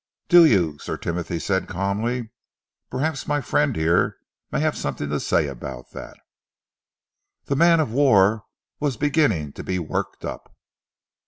"Do you?" Sir Timothy said calmly. "Perhaps my friend may have something to say about that." The man of war was beginning to be worked up.